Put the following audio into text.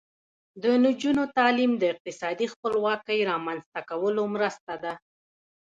د نجونو تعلیم د اقتصادي خپلواکۍ رامنځته کولو مرسته ده.